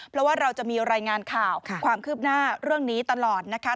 เพราะว่าเราจะมีรายงานข่าวความคืบหน้าเรื่องนี้ตลอดนะคะ